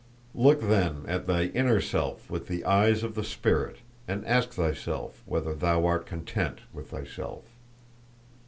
"Look then at thy inner self with the eyes of the spirit, and ask thyself whether thou art content with thyself.